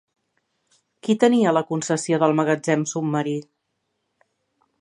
Qui tenia la concessió del magatzem submarí?